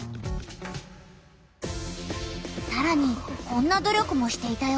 さらにこんな努力もしていたよ。